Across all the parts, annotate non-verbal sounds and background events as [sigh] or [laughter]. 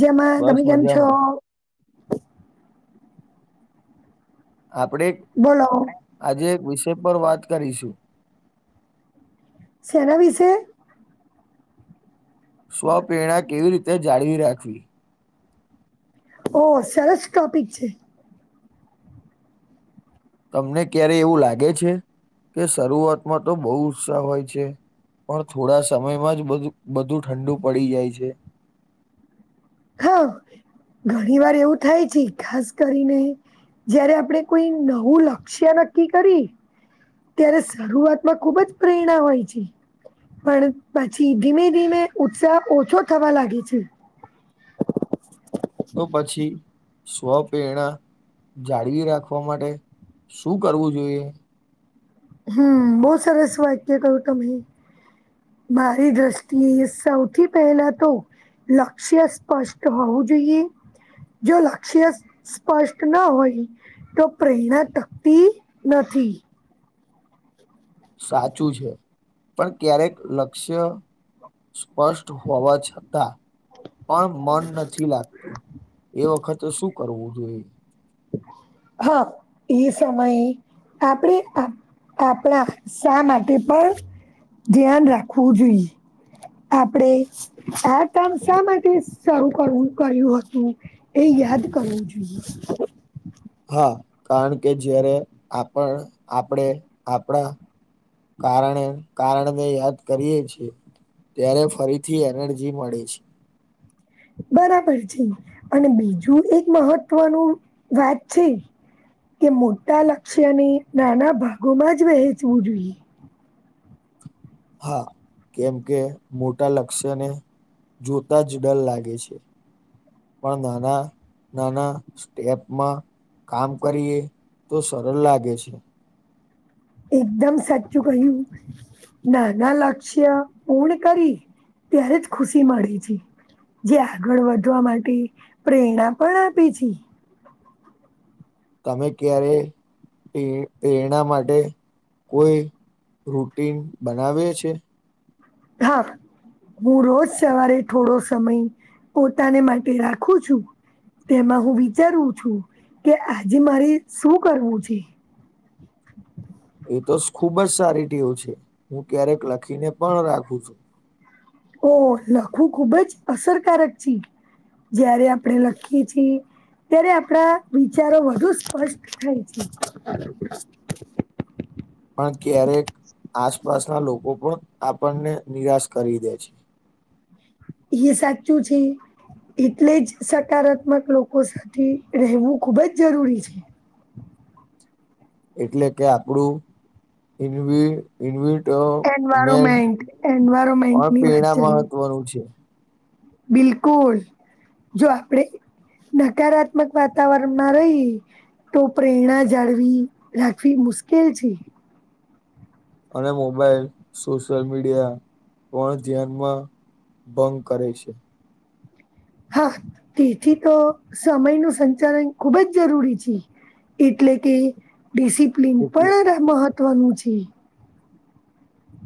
જેમાં બસ તમે કેમ છો? મજામાં. આપણે બોલો આજે એક વિષય પર વાત કરીશું શેના વિશે સ્વપેરણા કેવી રીતે જાળવી રાખવી ઓ સરસ ટોપિક છે. તમને ક્યારે એવું લાગે છે કે શરૂઆતમાં તો બહુ ઉત્સાહ હોય છે. પણ થોડા સમયમાં જ બધું બધું ઠંડુ પડી જાય છે. હા ઘણી વાર એવું થાય છે ખાસ કરીને જયારે આપણે કોઈ નવું લક્ષ્ય નક્કી કરી ત્યારે શરૂઆતમાં ખુબ જ પ્રેરણા હોય છે. પણ પછી ધીમે ધીમે ઉત્સાહ ઓછો થવા લાગે છે. તો પછી સ્વપેરણા જાળવી રાખવા માટે શું કરવું જોઈએ. હમ્મ બહુ સારસ વયક્ય કઉ તમને મારી દ્રષ્ટિએ સૌથી પહેલા તો લક્ષ્ય સ્પષ્ટ હોવું જોઈએ જો લક્ષ્યસ સ્પષ્ટ ના હોય તો પ્રેરણા તકતી નથી સાચું છે પણ ક્યારેક લક્ષ્ય સ્પષ્ટ હોવા છતાં પણ મન નથી લાગતું એ વખતે શું કરવું જોઈએ. હા એ સમયએ આપણે આપણા શા માટે પણ ધ્યાન રાખવું જોઈએ. આપડે આ કામ શા માટે શરૂ કરવું કર્યું હતું. એ યાદ કરવું જોઈએ. હા કારણ કે જયારે આપણ આપણેે આપણા કારણે કારણને યાદ કરીએ છીએ. ત્યારે ફરીથી એનર્જી મળે છે. બરાબર છે અને બીજું એક મહત્વનું વાત છે કે મોટા લક્ષ્યને નાના ભાગોમાં જ વહેંચવું જોઈએ હા કેમ કે મોટા લક્ષ્યને જોતા જ ડર લાગે છે પણ નાના નાના સ્ટેપમાં કામ કરીએ તો સરળ લાગે છે એકદમ સાચું કહ્યું નાના લક્ષ્ય પૂર્ણ કરી ત્યારે જ ખુશી મળે છે જે આગળ વધવા માટે પ્રેરણા પણ આપે છે તમે ક્યારે પ્રેરણા માટે કોઈ રૂટીન બનાવે છે હા હું રોજ સવારે થોડો સમય પોતાને માટે રાખું છું તેમાં હું વિચારું છું કે આજે મારે શું કરવું છે એ તો ખુબ જ સારી ટેવ છે હું ક્યારેક લખીને પણ રાખું છું ઓ લખવું ખુબ જ અસરકારક છે જારે આપણે લખીએ છીએ અ્યારે આપણા વિચારો વધુ સ્પષ્ટ થાય છે પણ ક્યારેક આસપાસના લોકો પણ આપણને નિરાશ કરી દે છે સાચુ છે એટલે જ સકારાત્મક લોકો સાથે રહેવું ખૂબ જ જરૂરી છે એટલે કે આપણું [unintelligible] [unintelligible] પણ એન્વાયરમેન્ટ એન્વાયરમેન્ટની વાત પેડા ચાલે મહત્વનું છે બિલકુલ જો આપડે નકારાત્મક વાતાવરણ માં રહીએ. તો પ્રેરણા જાળવી રાખવી મુશ્કેલ છે અને મોબાઈલ સોશિયલ મીડિયા પણ ધ્યાનમાં બંગ કરે છે હા તેથી તો સમય ન સંચાલન ખુબ જ જરૂરી છે એટલે કે ડિસિપ્લિન એટલે પણ મહત્વનું છે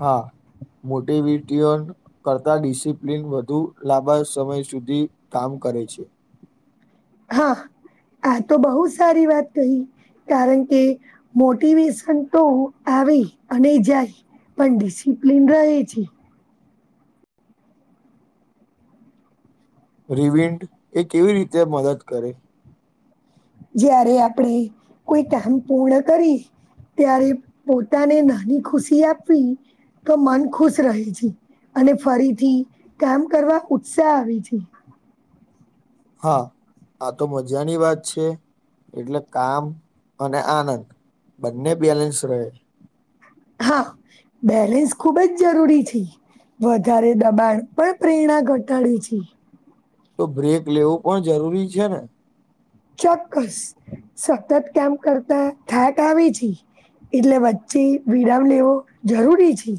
હા મોટી વીટીઓન કરતા ડિસિપ્લિન વધુ લાંબા સમય સુધી કામ કરે છે હા આ તો બહુ સારી વાત કહી કારણ કે મોટિવેશન તો આવે અને જાય પણ ડિસિપ્લીિન રહે છે રિવિન્ડ એ કેવી રીતે મદદ કરે જયારે આપણે કોઈ કામ પૂર્ણ કરી ત્યારે પોતાને નાની ખુશી આપવી તો મન ખુશ રહે છે અને ફરીથી કામ કરવા ઉત્સાહ આવે છે હા આ તો મજાની વાત છે એટલે કામ અને આનંદ બંને બેલેન્સ રહે હા બેલેન્સ ખૂબ જ જરૂરી છે વધારે દબાણ પણ પ્રેરણા ઘટાડી છે તો બ્રેક લેવું પણ જરૂરી છે ને ચોક્કસ સતત કામ કરતા થાક આવે છે એટલે વચ્ચે વિરામ લેવો જરૂરી છે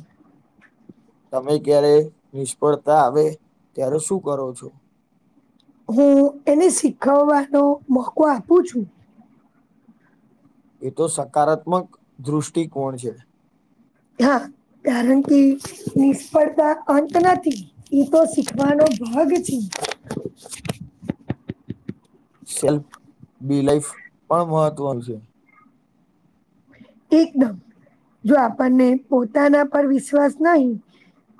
તમે ક્યારે નિષ્ફળતા આવે ત્યારે શું કરો છો હું એને શીખવવાનો મોકો આપું છું એ તો સકારાત્મક દૃષ્ટિકોણ છે હા કારણ કે નિષ્ફળતા અંત નથી એ તો શીખવાનો ભાગ છે સેલ્ફ બી લાઈફ પણ મહત્વનું છે. એકદમ જો આપણને પોતાના પર વિશ્વાસ નહી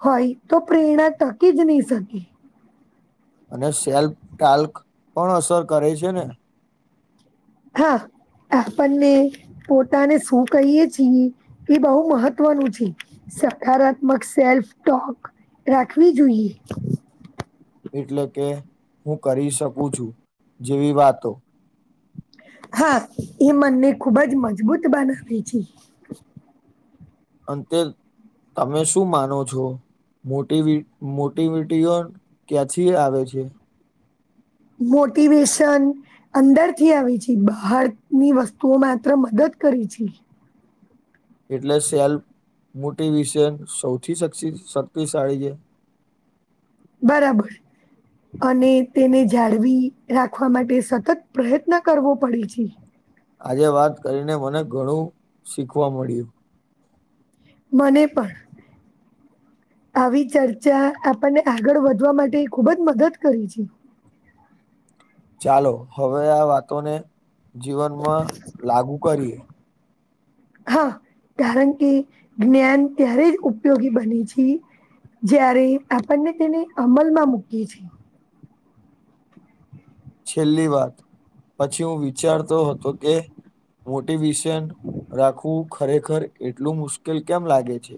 હોય તો પ્રેરણા તકી જ નહી શકે. અને સેલ્ફ ટલ્ક પણ અસર કરે છે ને હા આપને પોતાને શું કહીએ છીએ એ બહુ મહત્વનું છે. સકારાત્મક સેલ્ફ ટોક રાખવી જોઈએ. એટલે કે હું કરી શકું છું જેવી વાતો હા એ મનને ખુબ જ મજબૂત બનાવે છે. અંતે તમે શું માનો છો? મોટી મોટીવિટીઓ ક્યાંથી આવે છે? મોટિવેશન અંદર થી આવી છે બહાર ની વસ્તુઓ માત્ર મદદ કરી છે. એટલે સેલ્ફ મોટી વિશે સૌથી [unintelligible] શક્તિશાળી છે. બરાબર અને તેને જાળવી રાખવા માટે સતત પ્રયત્ન કરવો પડે છે. આજે વાત કરીને મને ઘણું શીખવા મળ્યું. મને પણ આવી ચર્ચા આપણને આગળ વધવા માટે ખુબ જ મદદ કરે છે. ચાલો હવે આ વાતોને જીવનમાં લાગુ કરીએ. હા કારણ કે જ્ઞાન ત્યારે જ ઉપયોગી બને છે જયારે આપણને તેને અમલમાં મૂકીએ છીએ. છેલ્લી વાત પછી હું વિચારતો હતો કે મોટી વિષ રાખવું ખરેખર એટલું મુશ્કેલ કેમ લાગે છે?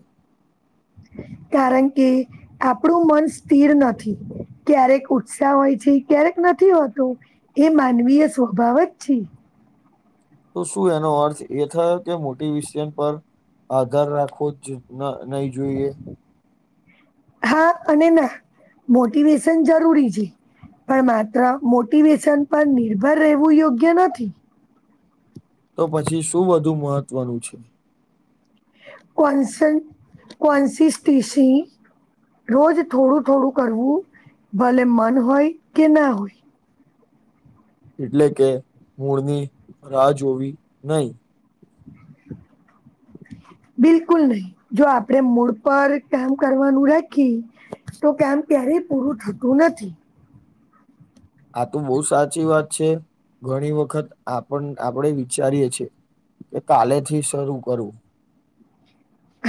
કારણ કે, આપણું મન સ્થિર નથી ક્યારેક ઉત્સાહ હોય છે ક્યારેક નથી હોતું. એ માનવીય સ્વભાવ જ છે. તો શું એનો અર્થ એ થયો કે મોટી વિષય પર આધાર રાખો જ ન નહી જોઈએ. હા અને ના મોટિવેશન જરૂરી છે. પણ માત્ર મોટિવેશન પર નિર્ભર રહેવું યોગ્ય નથી. તો પછી શું વધુ મહત્વનું છે? કોનસન કોનસી સ્ટીશી રોજ થોડું થોડું કરવું ભલે મન હોય કે ના હોય. એટલે કે મૂળની રાહ જોવી નહી. બિલકુલ નહી જો આપણેે મૂળ પર કામ કરવાનું રાખી તો કેમ ક્યારેય પૂરું થતું નથી. આ તો બહુ સાચી વાત છે ઘણી વખત આપન આપડે જ વિચારીએ છીએ. કે કાલે થી શરૂ કરું.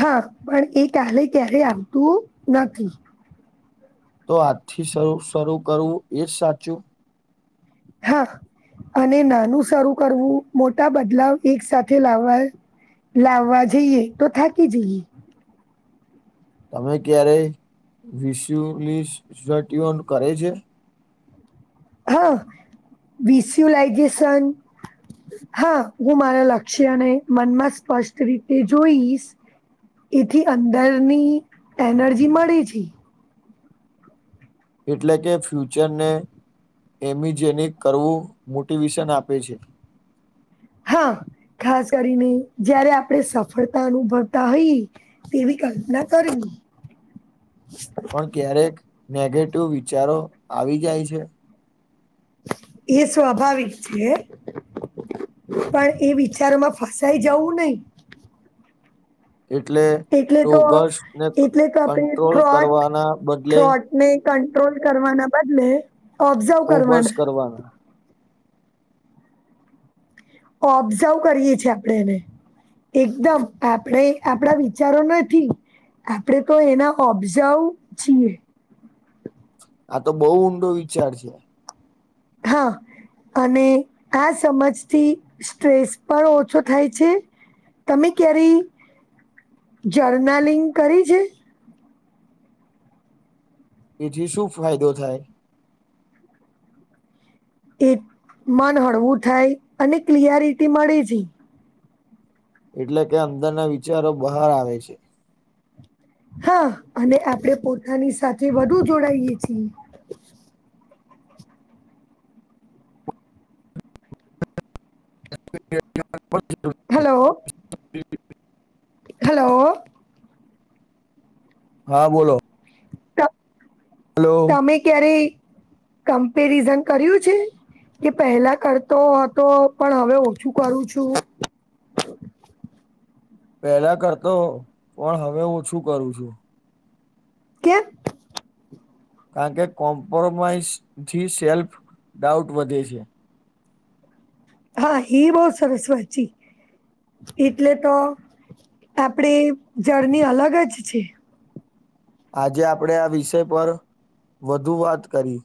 હા પણ એ કાલે ક્યારે આવતું નથી. તો આજથી શ શરૂ કરવું એજ સાચું હા અને નાનું શરૂ કરવું મોટા બદલાવ એક સાથે લાવવા લાવવા જઈએ તો થાકી જઈએ. તમે ક્યારેય વીસ [unintelligible] કરે છે. હા વિસ્યુલાઈઝેશન હા હું મારા લક્ષ્યને મનમાં સ્પષ્ટ રીતે જોઈશ એથી અંદરની એનર્જી મળી છી. એટલે કે ફ્યુચરને એમીજેેનિક કરવું મોટિવેશન આપે છે. હા ખાસ કરીને જયારે આપણે સફળતા અનુભવતા હોઈએ. તેવી કલ્પના કરવી. પણ ક્યારેક નેગેટિવ વિચારો આવી જાય છે. એ સ્વાભાવિક છે. પણ એ વિચારમાં ફસાઈ જવું નહી એટલે એટલે તો ટોગસને એટલે તો કંટ્રોલ કરવાના બદલે. મેં કંટ્રોલ કરવાના બદલે ઓબ્ઝર્વ કરવાના. વાના. ઓબ્ઝર્વ કરીએ છીએ આપડે એને. એકદમ આપણે આપણા વિચારો નથી. આપણેે તો એના ઓબ્ઝઉ છીએ. આ તો બહુ ઊંડો વિચાર છે. હા. અને આ સમજથી સ્ટ્રેસ પણ ઓછો થાય છે. તમે ક્યારે જર્નલિંગ કરી છે? તેથી શું ફાયદો થાય. એ મન હળવું થાય અને ક્લયારિટી મળે છે. એટલે કે અંદરના વિચારો બહાર આવે છે. હા અને આપણે પોતાની સાથે વધુ જોડાઈએ છીએ. [inaudible] [inaudible] હેલો. હલો. હા બોલો. [inaudible] હલો. અમે ક્યારે કમ્પેરિઝન કર્યું છે. કે પહેલા કરતો હતો પણ હવે ઓછું કરું છું. પેલા કરતો પણ હવે ઓછું કરું છું. કેમ. કારણ કે કોમ્પ્રોમાઈઝથી સેલ્ફ ડાઉટ વધે છે. હા હ બહુ સરસ્વચી. એટલે તો આપડી જર્ની અલગ જ છે. આજે આપણેે આ વિષય પર વધુ વાત કરી,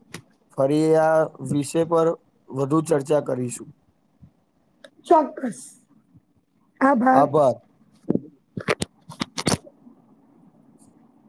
ફરી આ વિષય પર વધુ ચર્ચા કરીશું. ચોક્કસ આભાર.